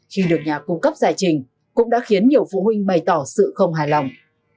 khi được nhà cung cấp giải trình cũng đã khiến nhiều phụ huynh bày tỏ sự không hài lòng